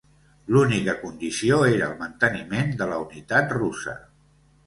L'única condició era el manteniment de la unitat russa.